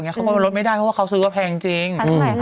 เขาก็ลดไม่ได้เพราะว่าเขาซื้อว่าแพงจริง